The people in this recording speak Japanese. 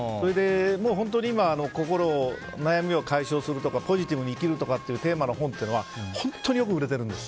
本当に今、悩みを解消するとかポジティブに生きるとかいうテーマの本が本当によく売れてるんです。